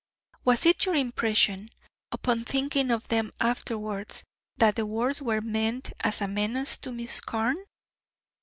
"Was it your impression, upon thinking of them afterwards, that the words were meant as a menace to Miss Carne?"